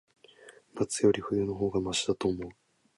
夏より、冬の方がましだと思う。